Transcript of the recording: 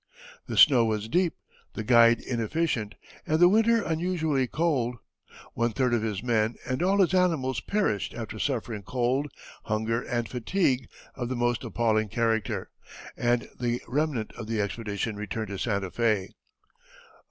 The snow was deep, the guide inefficient, and the winter unusually cold. One third of his men and all his animals perished after suffering cold, hunger, and fatigue of the most appalling character, and the remnant of the expedition returned to Santa Fé.